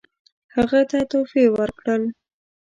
هغه ته تحفې ورکړل.